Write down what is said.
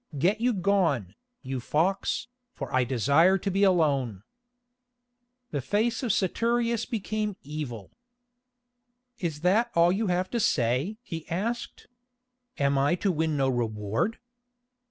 Now get you gone, you fox, for I desire to be alone." The face of Saturius became evil. "Is that all you have to say?" he asked. "Am I to win no reward?"